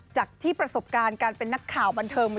จากที่ประสบการณ์การเป็นนักข่าวบันเทิง